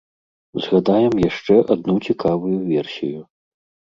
Згадаем яшчэ адну цікавую версію.